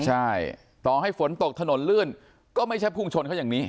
ใช่ต่อให้ฝนตกถนนลื่นก็ไม่ใช่พุ่งชนเขาอย่างนี้